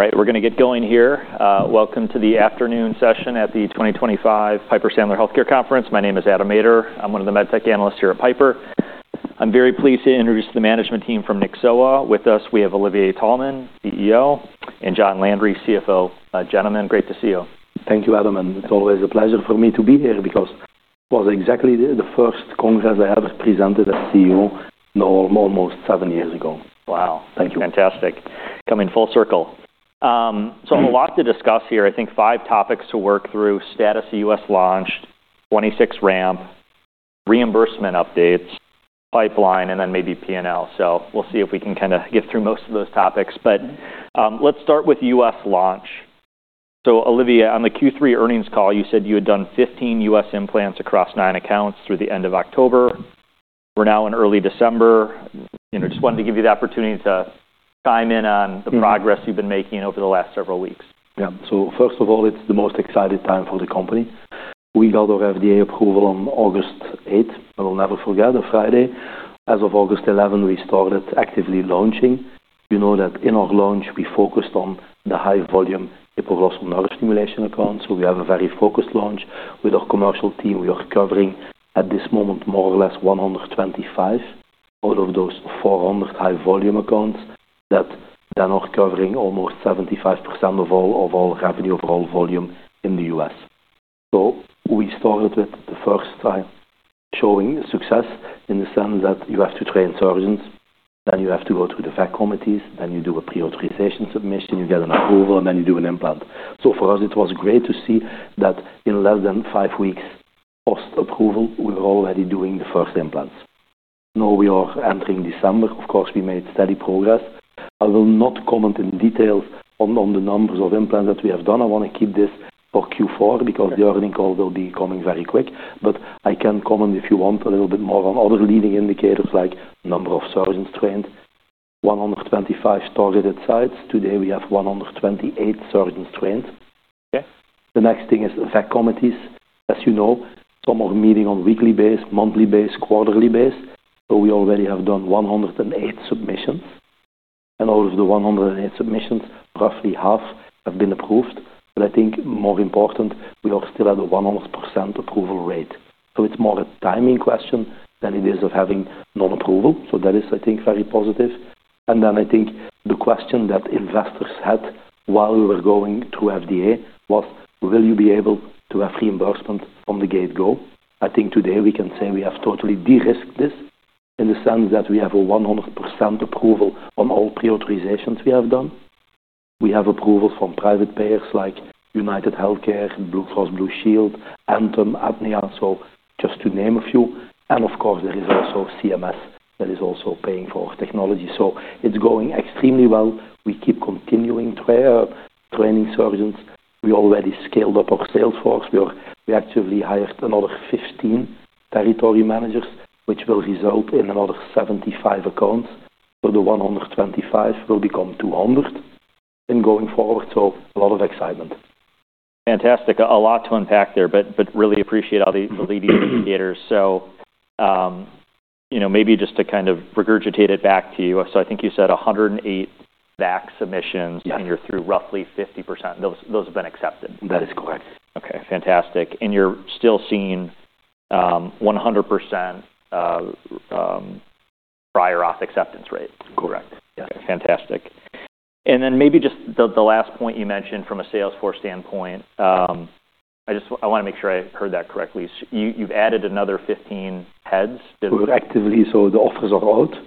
All right, we're going to get going here. Welcome to the afternoon session at the 2025 Piper Sandler Healthcare Conference. My name is Adam Maeder I'm one of the med tech analysts here at Piper. I'm very pleased to introduce the management team from Nyxoah. With us, we have Olivier Taelman, CEO, and John Landry, CFO. Gentlemen, great to see you. Thank you, Adam. And it's always a pleasure for me to be here because it was exactly the first congress I ever presented as CEO almost seven years ago. Wow. Thank you. Fantastic. Coming full circle. So a lot to discuss here. I think five topics to work through: status of U.S. launch, Q2 ramp, reimbursement updates, pipeline, and then maybe P&L. So we'll see if we can kind of get through most of those topics. But, let's start with U.S. launch. So, Olivier, on the Q3 earnings call, you said you had done 15 U.S. implants across nine accounts through the end of October. We're now in early December. You know, just wanted to give you the opportunity to chime in on the progress you've been making over the last several weeks. Yeah. So first of all, it's the most exciting time for the company. We got our FDA approval on August 8th. I will never forget the Friday. As of August 11th, we started actively launching. You know that in our launch, we focused on the high-volume hypoglossal nerve stimulation accounts. So we have a very focused launch with our commercial team. We are covering, at this moment, more or less 125 out of those 400 high-volume accounts that then are covering almost 75% of all revenue, of all volume in the U.S. So we started with the first time showing success in the sense that you have to train surgeons, then you have to go through the VAC committees, then you do a pre-authorization submission, you get an approval, and then you do an implant. So for us, it was great to see that in less than five weeks post-approval, we were already doing the first implants. Now we are entering December. Of course, we made steady progress. I will not comment in detail on the numbers of implants that we have done. I want to keep this for Q4 because the earnings call will be coming very quick. But I can comment, if you want, a little bit more on other leading indicators like number of surgeons trained. 125 targeted sites. Today, we have 128 surgeons trained. Okay. The next thing is VAC committees. As you know, some are meeting on a weekly basis, monthly basis, quarterly basis, so we already have done 108 submissions, and out of the 108 submissions, roughly half have been approved, but I think more important, we are still at a 100% approval rate, so it's more a timing question than it is of having non-approval, so that is, I think, very positive, and then I think the question that investors had while we were going through FDA was, will you be able to have reimbursement from the get-go? I think today we can say we have totally de-risked this in the sense that we have a 100% approval on all pre-authorizations we have done. We have approvals from private payers like UnitedHealthcare, Blue Cross Blue Shield, Anthem, Aetna, so just to name a few. Of course, there is also CMS that is also paying for our technology. So it's going extremely well. We keep continuing to train surgeons. We already scaled up our sales force. We actually hired another 15 territory managers, which will result in another 75 accounts. So the 125 will become 200 going forward. So a lot of excitement. Fantastic. A lot to unpack there, but really appreciate all the leading indicators. So, you know, maybe just to kind of regurgitate it back to you. So I think you said 108 PMA submissions. Yeah. You're through roughly 50%. Those have been accepted. That is correct. Okay. Fantastic, and you're still seeing 100% prior auth acceptance rate. Correct. Yes. Okay. Fantastic. And then maybe just the last point you mentioned from a sales force standpoint, I just want to make sure I heard that correctly. You've added another 15 heads. Actively. So the offers are out.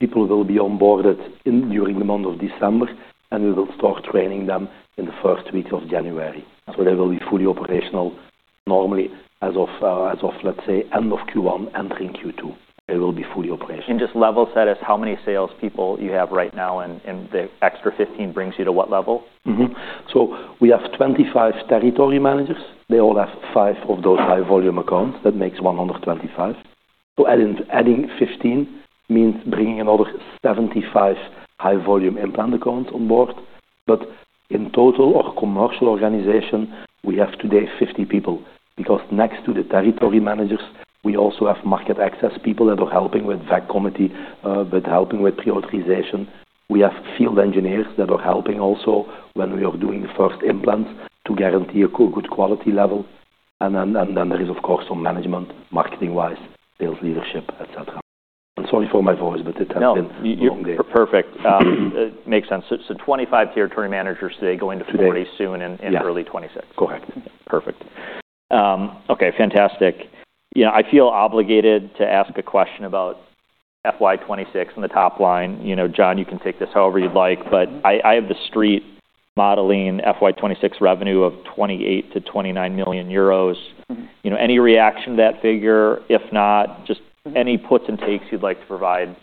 People will be onboarded during the month of December, and we will start training them in the first week of January. So they will be fully operational normally as of, let's say, end of Q1, entering Q2. They will be fully operational. Just level set us how many salespeople you have right now, and the extra 15 brings you to what level? Mm-hmm. So we have 25 territory managers. They all have five of those high-volume accounts. That makes 125. So adding 15 means bringing another 75 high-volume implant accounts on board. But in total, our commercial organization, we have today 50 people because next to the territory managers, we also have market access people that are helping with VAC committee, with helping with pre-authorization. We have field engineers that are helping also when we are doing the first implants to guarantee a good quality level. And then there is, of course, some management, marketing-wise, sales leadership, etc. I'm sorry for my voice, but it has been a long day. Perfect. It makes sense. So 25 territory managers today going to 40 soon in early 2026. Correct. Perfect. Okay. Fantastic. You know, I feel obligated to ask a question about FY26 and the top line. You know, John, you can take this however you'd like, but I have the street modeling FY26 revenue of 28-29 million euros. You know, any reaction to that figure? If not, just any puts and takes you'd like to provide,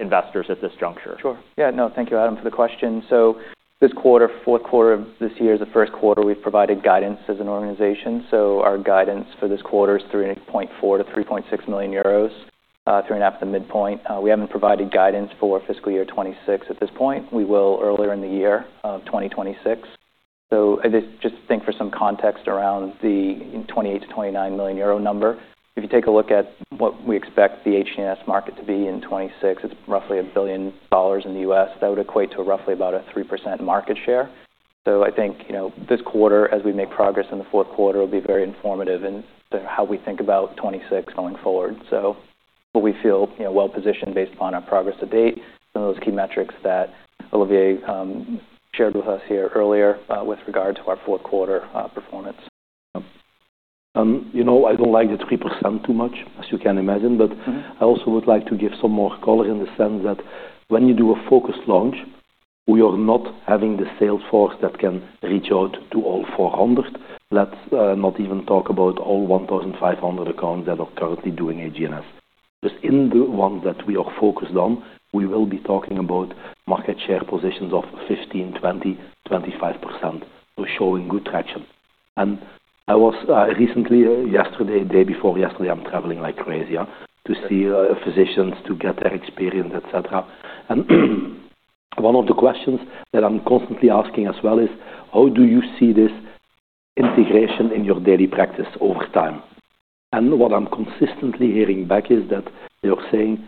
investors at this juncture. Sure. Yeah. No, thank you, Adam, for the question. So this quarter, fourth quarter of this year is the first quarter we've provided guidance as an organization. So our guidance for this quarter is 3.4 million-3.6 million euros, three and a half to midpoint. We haven't provided guidance for fiscal year 2026 at this point. We will earlier in the year of 2026. So I just think for some context around the 28 million-29 million euro number, if you take a look at what we expect the HGNS market to be in 2026, it's roughly $1 billion in the U.S. That would equate to roughly about a 3% market share. So I think, you know, this quarter, as we make progress in the fourth quarter, will be very informative in how we think about 2026 going forward. So we feel, you know, well-positioned based upon our progress to date. Some of those key metrics that Olivier shared with us here earlier, with regard to our fourth quarter performance. You know, I don't like the 3% too much, as you can imagine, but I also would like to give some more color in the sense that when you do a focused launch, we are not having the sales force that can reach out to all 400. Let's not even talk about all 1,500 accounts that are currently doing HGNS. Just in the ones that we are focused on, we will be talking about market share positions of 15%, 20%, 25%. So showing good traction. And I was recently, yesterday, day before yesterday, I'm traveling like crazy, yeah, to see physicians to get their experience, etc. And one of the questions that I'm constantly asking as well is, how do you see this integration in your daily practice over time? What I'm consistently hearing back is that they are saying,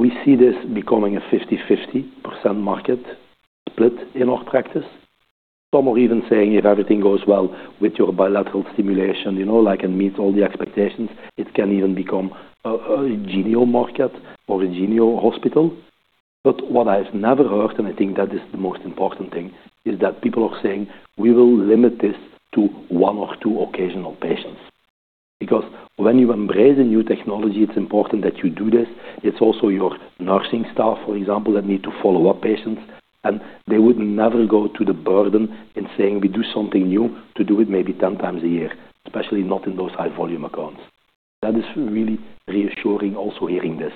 we see this becoming a 50-50% market split in our practice. Some are even saying, if everything goes well with your bilateral stimulation, you know, like and meet all the expectations, it can even become a Genio market or a Genio hospital. But what I've never heard, and I think that is the most important thing, is that people are saying, we will limit this to one or two occasional patients. Because when you embrace a new technology, it's important that you do this. It's also your nursing staff, for example, that need to follow up patients, and they would never go to the burden in saying, we do something new to do it maybe 10 times a year, especially not in those high-volume accounts. That is really reassuring also hearing this.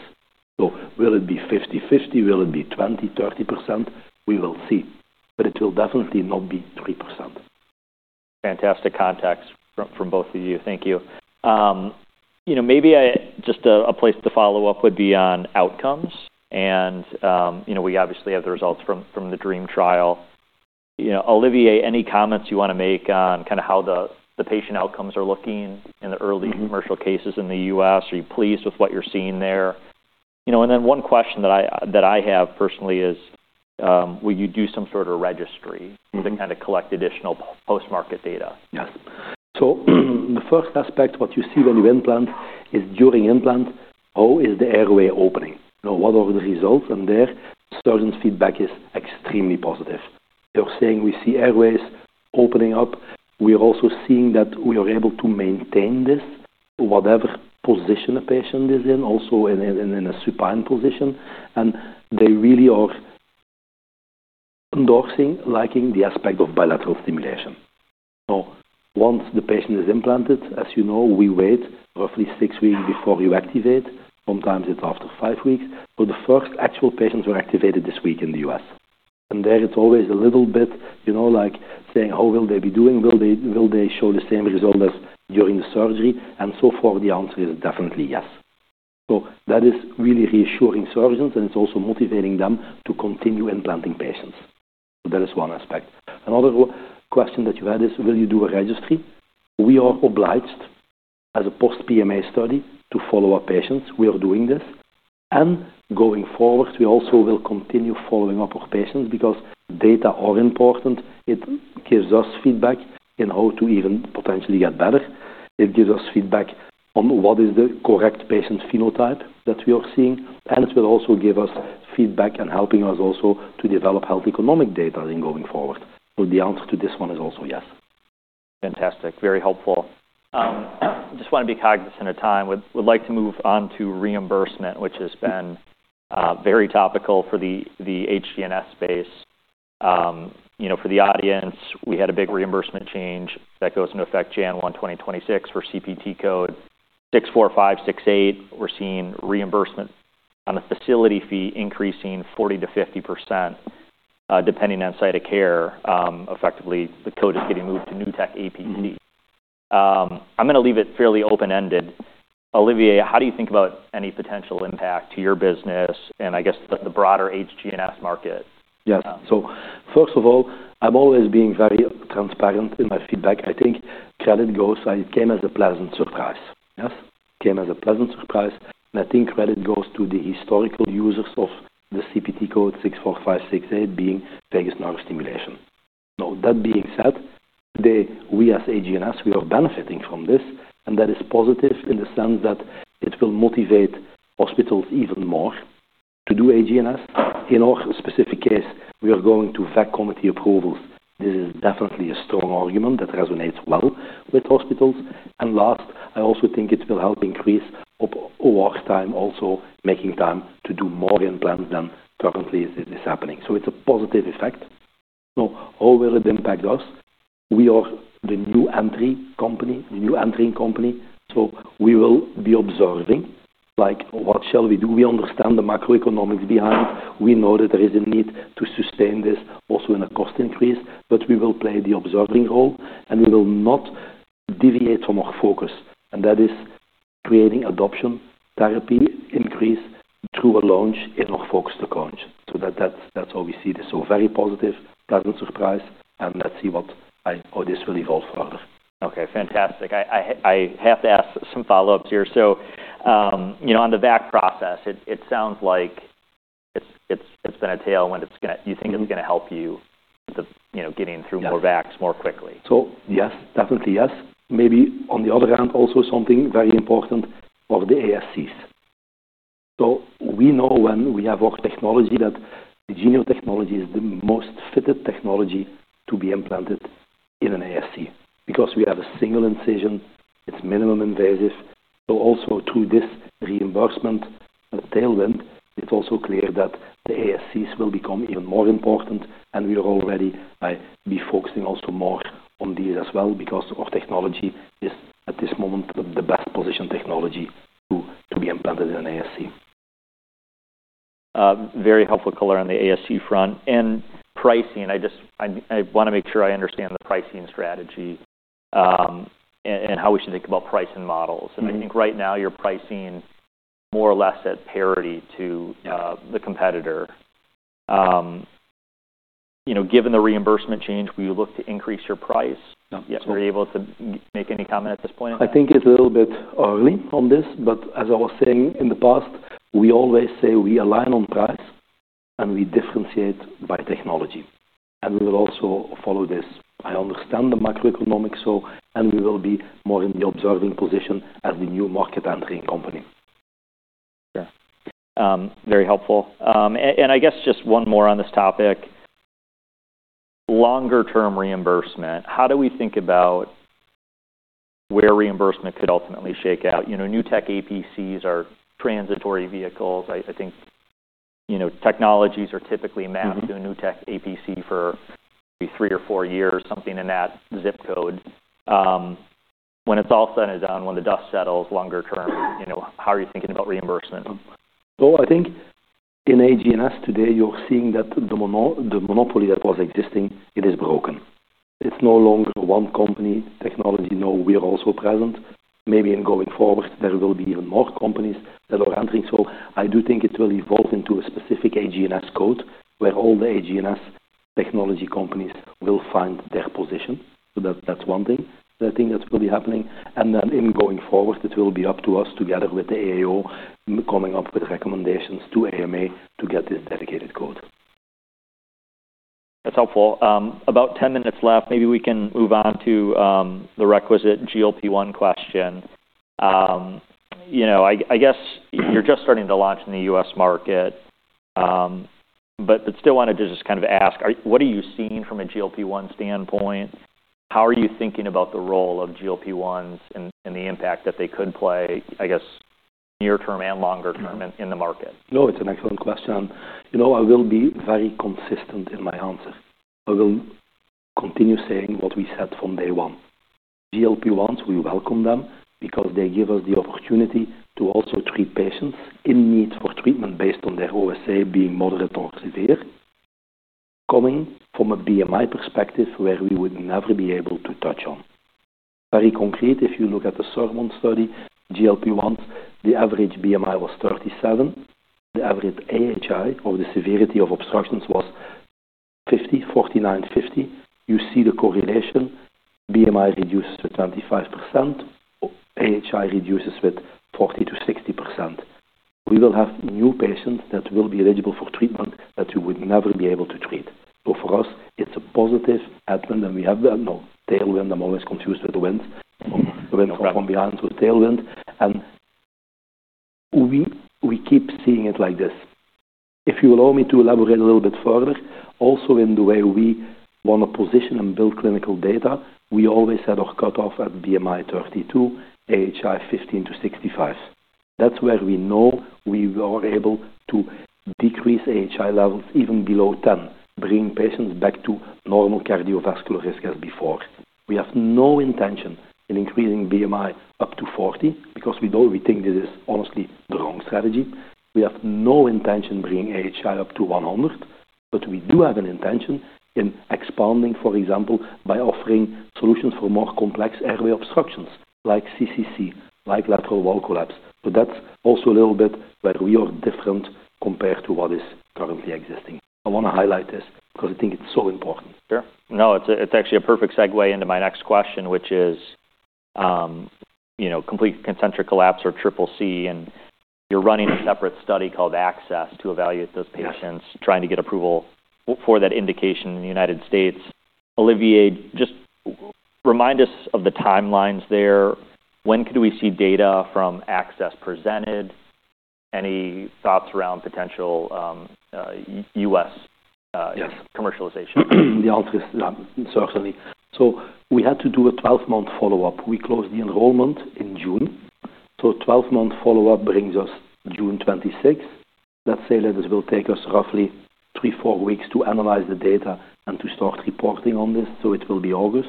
So will it be 50-50? Will it be 20%, 30%? We will see. But it will definitely not be 3%. Fantastic context from both of you. Thank you. You know, maybe a place to follow up would be on outcomes, and you know, we obviously have the results from the DREAM trial. You know, Olivier, any comments you want to make on kind of how the patient outcomes are looking in the early commercial cases in the U.S.? Are you pleased with what you're seeing there? You know, and then one question that I have personally is, will you do some sort of registry to kind of collect additional post-market data? Yes. So the first aspect what you see when you implant is during implant, how is the airway opening? You know, what are the results? And there, surgeon feedback is extremely positive. They're saying we see airways opening up. We are also seeing that we are able to maintain this, whatever position a patient is in, also in a supine position. And they really are endorsing, liking the aspect of bilateral stimulation. So once the patient is implanted, as you know, we wait roughly six weeks before you activate. Sometimes it's after five weeks. But the first actual patients were activated this week in the U.S. And there it's always a little bit, you know, like saying, how will they be doing? Will they show the same result as during the surgery? And so far, the answer is definitely yes. So that is really reassuring surgeons, and it's also motivating them to continue implanting patients. So that is one aspect. Another question that you had is, will you do a registry? We are obliged, as a post-PMA study, to follow up patients. We are doing this. And going forward, we also will continue following up our patients because data are important. It gives us feedback in how to even potentially get better. It gives us feedback on what is the correct patient phenotype that we are seeing. And it will also give us feedback and helping us also to develop health economic data in going forward. So the answer to this one is also yes. Fantastic. Very helpful. Just want to be cognizant of time. We'd like to move on to reimbursement, which has been very topical for the HGNS space. You know, for the audience, we had a big reimbursement change that goes into effect January 1, 2026 for CPT code 64568. We're seeing reimbursement on the facility fee increasing 40%-50%, depending on site of care. Effectively, the code is getting moved to NTAP. I'm going to leave it fairly open-ended. Olivier, how do you think about any potential impact to your business and I guess the broader HGNS market? Yes. So first of all, I'm always being very transparent in my feedback. I think credit goes; it came as a pleasant surprise. Yes. It came as a pleasant surprise. And I think credit goes to the historical users of the CPT code 64568 being vagus nerve stimulation. Now, that being said, today, we as HGNS, we are benefiting from this. And that is positive in the sense that it will motivate hospitals even more to do HGNS. In our specific case, we are going to VAC committee approvals. This is definitely a strong argument that resonates well with hospitals. And last, I also think it will help increase over time also making time to do more implants than currently is happening. So it's a positive effect. Now, how will it impact us? We are the new entry company, the new entering company. So we will be observing, like, what shall we do? We understand the macroeconomics behind. We know that there is a need to sustain this also in a cost increase, but we will play the observing role, and we will not deviate from our focus. And that is creating adoption therapy increase through a launch in our focused accounts. So that's how we see this. So very positive, pleasant surprise, and let's see how this will evolve further. Okay. Fantastic. I have to ask some follow-ups here. So, you know, on the VAC process, it sounds like it's been a tailwind. You think it's going to help you getting through more VACs more quickly? So yes, definitely yes. Maybe on the other hand, also something very important for the ASCs. So we know when we have our technology that the Genio technology is the most fitted technology to be implanted in an ASC because we have a single incision. It's minimally invasive. So also through this reimbursement, a tailwind, it's also clear that the ASCs will become even more important. And we are already focusing also more on these as well because our technology is at this moment the best-positioned technology to be implanted in an ASC. Very helpful color on the ASC front. And pricing, I just want to make sure I understand the pricing strategy, and how we should think about pricing models. And I think right now you're pricing more or less at parity to the competitor, you know, given the reimbursement change, will you look to increase your price? No. Yes. Were you able to make any comment at this point? I think it's a little bit early on this, but as I was saying in the past, we always say we align on price and we differentiate by technology, and we will also follow this. I understand the macroeconomics. So we will be more in the observing position as the new market entering company. Okay. Very helpful. And I guess just one more on this topic. Longer-term reimbursement, how do we think about where reimbursement could ultimately shake out? You know, NTAPs are transitory vehicles. I think, you know, technologies are typically mapped to a NTAP for maybe three or four years, something in that zip code. When it's all said and done, when the dust settles longer term, you know, how are you thinking about reimbursement? I think in HGNS today, you're seeing that the monopoly that was existing, it is broken. It's no longer one company technology. No, we are also present. Maybe in going forward, there will be even more companies that are entering. I do think it will evolve into a specific HGNS code where all the HGNS technology companies will find their position. That's one thing that I think that will be happening. Then in going forward, it will be up to us together with the AAO coming up with recommendations to AMA to get this dedicated code. That's helpful. About 10 minutes left. Maybe we can move on to the requisite GLP-1 question. You know, I guess you're just starting to launch in the U.S. market, but still wanted to just kind of ask what are you seeing from a GLP-1 standpoint? How are you thinking about the role of GLP-1s and the impact that they could play, I guess, near-term and longer term in the market? No, it's an excellent question. You know, I will be very consistent in my answer. I will continue saying what we said from day one. GLP-1s, we welcome them because they give us the opportunity to also treat patients in need for treatment based on their OSA being moderate or severe, coming from a BMI perspective where we would never be able to touch on. Very concrete, if you look at the SURMOUNT study, GLP-1s, the average BMI was 37. The average AHI, or the severity of obstructions, was 50, 49, 50. You see the correlation. BMI reduces to 25%. AHI reduces with 40%-60%. We will have new patients that will be eligible for treatment that we would never be able to treat. So for us, it's a positive event, and we have the tailwind. I'm always confused with the wind. The wind from behind to the tailwind. We keep seeing it like this. If you allow me to elaborate a little bit further, also in the way we want to position and build clinical data, we always set our cutoff at BMI 32, AHI 15 to 65. That's where we know we are able to decrease AHI levels even below 10, bringing patients back to normal cardiovascular risk as before. We have no intention in increasing BMI up to 40 because we think this is honestly the wrong strategy. We have no intention in bringing AHI up to 100, but we do have an intention in expanding, for example, by offering solutions for more complex airway obstructions like CCC, like lateral wall collapse. So that's also a little bit where we are different compared to what is currently existing. I want to highlight this because I think it's so important. Sure. No, it's actually a perfect segue into my next question, which is, you know, Complete Concentric Collapse or Triple C, and you're running a separate study called ACCESS to evaluate those patients trying to get approval for that indication in the United States. Olivier, just remind us of the timelines there. When could we see data from ACCESS presented? Any thoughts around potential, U.S. commercialization? Yes. Certainly. So we had to do a 12-month follow-up. We closed the enrollment in June. So 12-month follow-up brings us June 26. Let's say that this will take us roughly 3-4 weeks to analyze the data and to start reporting on this. So it will be August.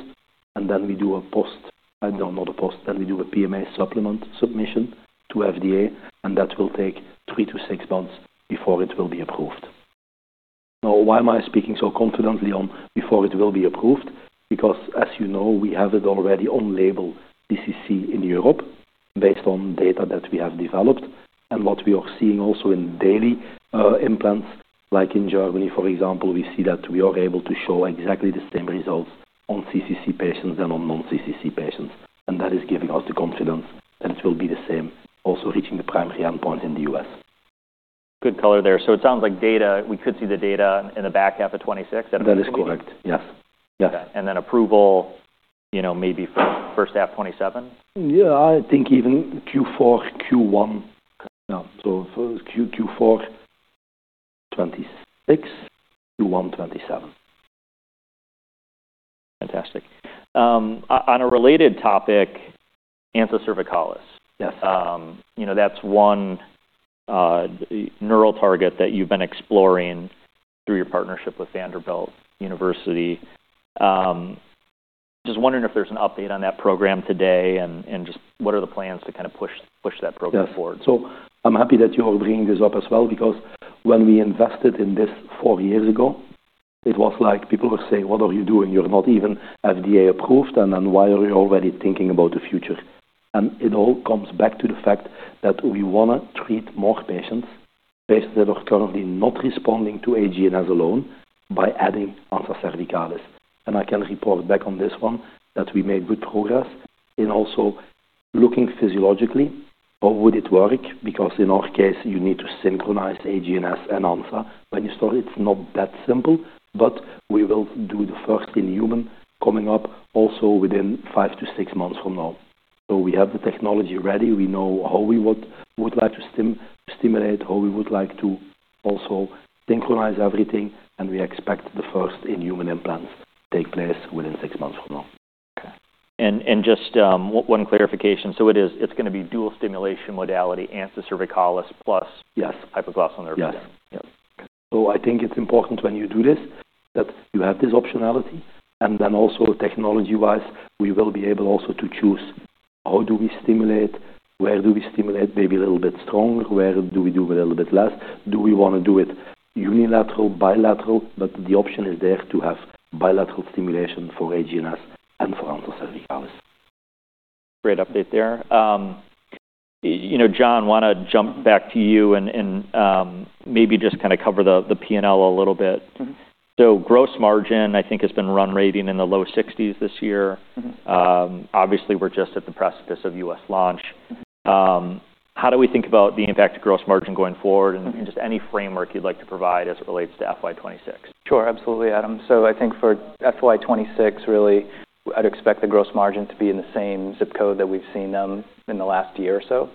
And then we do a post, not a post, then we do a PMA supplement submission to FDA, and that will take 3-6 months before it will be approved. Now, why am I speaking so confidently on before it will be approved? Because, as you know, we have it already on label, CCC in Europe, based on data that we have developed. And what we are seeing also in daily implants, like in Germany, for example, we see that we are able to show exactly the same results on CCC patients than on non-CCC patients. That is giving us the confidence that it will be the same, also reaching the primary endpoints in the U.S. Good color there. So it sounds like data, we could see the data in the back half of 2026. That is correct. Yes. Yes. And then approval, you know, maybe first half 2027? Yeah. I think even Q4, Q1. Yeah. So Q4 2026, Q1 2027. Fantastic. On a related topic, ansa cervicalis. Yes. You know, that's one neural target that you've been exploring through your partnership with Vanderbilt University. Just wondering if there's an update on that program today and just what are the plans to kind of push that program forward? Yes. So I'm happy that you are bringing this up as well because when we invested in this four years ago, it was like people would say, what are you doing? You're not even FDA approved, and then why are you already thinking about the future? And it all comes back to the fact that we want to treat more patients, patients that are currently not responding to HGNS alone, by adding ansa cervicalis. And I can report back on this one that we made good progress in also looking physiologically, how would it work? Because in our case, you need to synchronize HGNS and ansa. When you start, it's not that simple, but we will do the first in human coming up also within five to six months from now. So we have the technology ready. We know how we would like to stimulate, how we would like to also synchronize everything, and we expect the first in-human implants to take place within six months from now. Okay. And just one clarification. So it is, it's going to be dual stimulation modality, ansa cervicalis plus hypoglossal nerve? Yes. Yes. So I think it's important when you do this that you have this optionality. And then also technology-wise, we will be able also to choose how do we stimulate, where do we stimulate maybe a little bit stronger, where do we do a little bit less? Do we want to do it unilateral, bilateral? But the option is there to have bilateral stimulation for HGNS and for ansa cervicalis. Great update there. You know, John, I want to jump back to you and maybe just kind of cover the P&L a little bit. So gross margin, I think, has been run-rating in the low 60s this year. Obviously, we're just at the precipice of U.S. launch. How do we think about the impact of gross margin going forward and just any framework you'd like to provide as it relates to FY26? Sure. Absolutely, Adam. So I think for FY26, really, I'd expect the gross margin to be in the same zip code that we've seen them in the last year or so.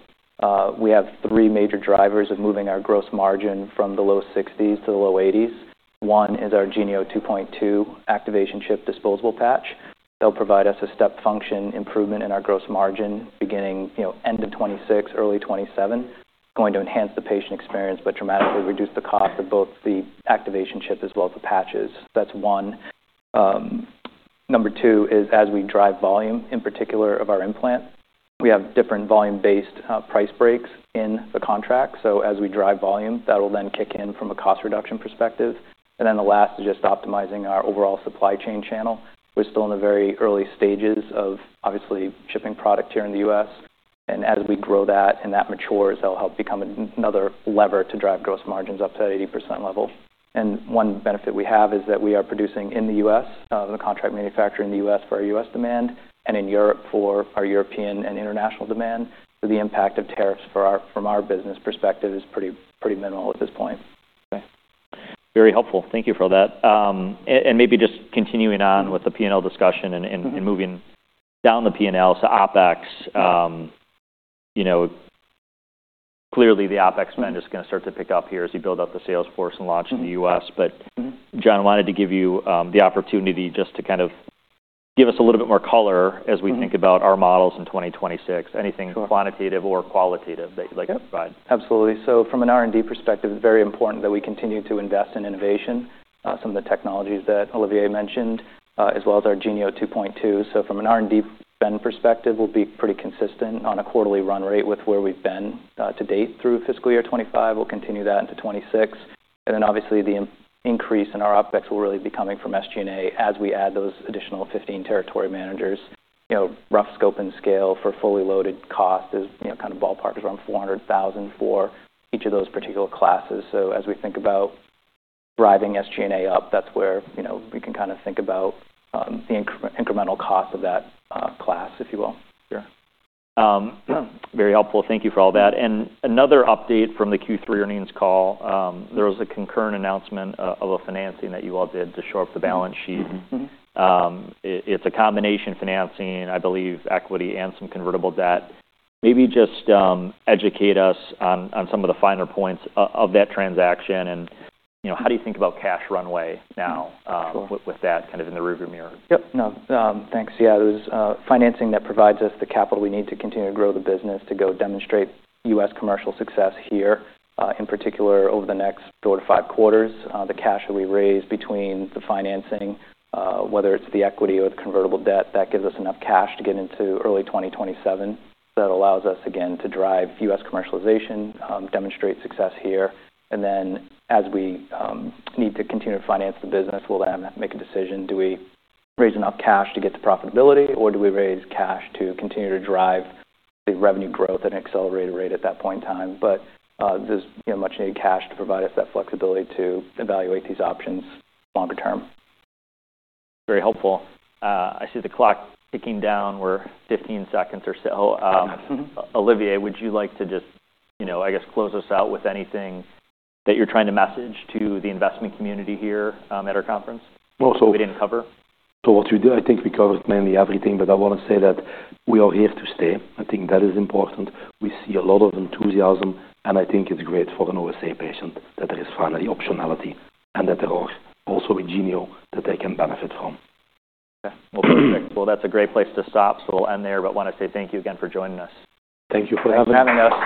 We have three major drivers of moving our gross margin from the low 60s to the low 80s. One is our Genio 2.2 activation chip disposable patch. They'll provide us a step function improvement in our gross margin beginning, you know, end of 2026, early 2027, going to enhance the patient experience, but dramatically reduce the cost of both the activation chip as well as the patches. That's one. Number two is, as we drive volume, in particular of our implant, we have different volume-based price breaks in the contract. So as we drive volume, that'll then kick in from a cost reduction perspective. And then the last is just optimizing our overall supply chain channel. We're still in the very early stages of obviously shipping product here in the U.S. And as we grow that and that matures, that'll help become another lever to drive gross margins up to 80% level. And one benefit we have is that we are producing in the U.S., the contract manufacturer in the U.S. for our U.S. demand and in Europe for our European and international demand. So the impact of tariffs from our business perspective is pretty minimal at this point. Okay. Very helpful. Thank you for that. And maybe just continuing on with the P&L discussion and moving down the P&L to OpEx. You know, clearly the OpEx spend is going to start to pick up here as you build up the sales force and launch in the U.S. But John wanted to give you the opportunity just to kind of give us a little bit more color as we think about our models in 2026. Anything quantitative or qualitative that you'd like to provide? Absolutely. So from an R&D perspective, it's very important that we continue to invest in innovation, some of the technologies that Olivier mentioned, as well as our Genio 2.2. So from an R&D perspective, we'll be pretty consistent on a quarterly run rate with where we've been to date through fiscal year 2025. We'll continue that into 2026. And then obviously the increase in our OPEX will really be coming from SG&A as we add those additional 15 territory managers. You know, rough scope and scale for fully loaded cost is, you know, kind of ballpark is around 400,000 for each of those particular classes. So as we think about driving SG&A up, that's where, you know, we can kind of think about the incremental cost of that class, if you will. Sure. Very helpful. Thank you for all that, and another update from the Q3 earnings call. There was a concurrent announcement of a financing that you all did to shore up the balance sheet. It's a combination financing, I believe, equity and some convertible debt. Maybe just educate us on some of the finer points of that transaction and, you know, how do you think about cash runway now with that kind of in the rearview mirror? Yep. No. Thanks. Yeah. It was financing that provides us the capital we need to continue to grow the business to go demonstrate U.S. commercial success here. In particular, over the next four to five quarters, the cash that we raise between the financing, whether it's the equity or the convertible debt, that gives us enough cash to get into early 2027. That allows us, again, to drive U.S. commercialization, demonstrate success here. And then as we need to continue to finance the business, we'll then make a decision. Do we raise enough cash to get to profitability, or do we raise cash to continue to drive the revenue growth at an accelerated rate at that point in time? But there's much-needed cash to provide us that flexibility to evaluate these options longer term. Very helpful. I see the clock ticking down. We're 15 seconds or so. Olivier, would you like to just, you know, I guess close us out with anything that you're trying to message to the investment community here at our conference? No. We didn't cover? So, what we did, I think we covered mainly everything, but I want to say that we are here to stay. I think that is important. We see a lot of enthusiasm, and I think it's great for an OSA patient that there is finally optionality and that there are also with Genio that they can benefit from. Okay. Well, that's a great place to stop, so we'll end there, but want to say thank you again for joining us. Thank you for having us. Thanks for having us.